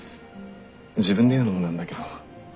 自分で言うのもなんだけど。